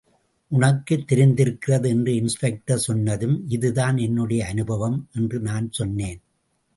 உனக்குத் தெரிந்திருக்கிறது என்று இன்ஸ்பெக்டர் சொன்னதும் இதுதான் என்னுடைய அனுபவம் என்று நான் சொன்னேன்.